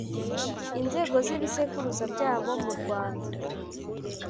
inzego z’ibisekuruza byabo mu rwanda